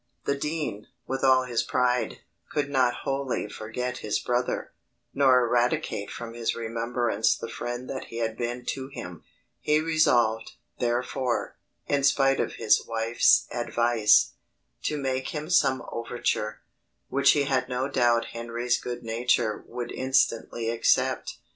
The dean, with all his pride, could not wholly forget his brother, nor eradicate from his remembrance the friend that he had been to him: he resolved, therefore, in spite of his wife's advice, to make him some overture, which he had no doubt Henry's good nature would instantly accept.